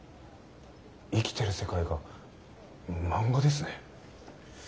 生きてる世界が漫画ですね。